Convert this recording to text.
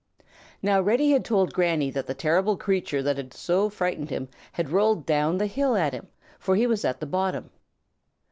Now Reddy had told Granny that the terrible creature that had so frightened him had rolled down the hill at him, for he was at the bottom.